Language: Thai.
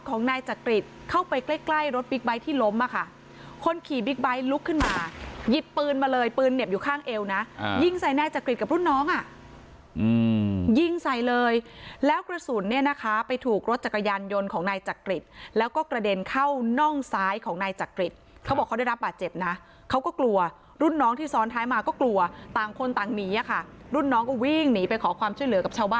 กิดปืนมาเลยปืนเหน็บอยู่ข้างเอวนะยิ่งใส่นายจักริจกับรุ่นน้องอ่ะอืมยิ่งใส่เลยแล้วกระสุนเนี้ยนะคะไปถูกรถจักรยานยนต์ของนายจักริจแล้วก็กระเด็นเข้าน่องซ้ายของนายจักริจเขาบอกเขาได้รับบาดเจ็บนะเขาก็กลัวรุ่นน้องที่ซ้อนท้ายมาก็กลัวต่างคนต่างหนีอ่ะค่ะรุ่นน้องก็วิ่งหนีไปขอความช่วยเหลือกับชาวบ